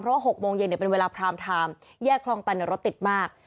เพราะว่า๖โมงเย็นเนี่ยเป็นเวลาพาร์มทามแยกคล่องตันในรถติดมาก